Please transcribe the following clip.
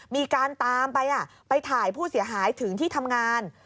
มีการตามไปไปถ่ายผู้เสียหายถึงที่ทำงาน